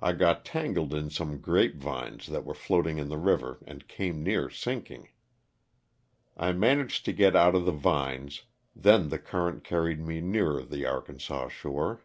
I got tangled in some grape vines that were floating in the river and came near sinking. I managed to get out of the vines, then the current carried me nearer the Arkansas shore.